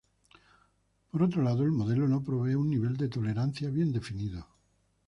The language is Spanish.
Por otro lado el modelo no provee un nivel de tolerancia bien definido.